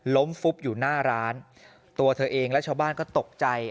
ฟุบอยู่หน้าร้านตัวเธอเองและชาวบ้านก็ตกใจ